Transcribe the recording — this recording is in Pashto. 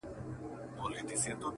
چي اغیار یې بې ضمیر جوړ کړ ته نه وې،،!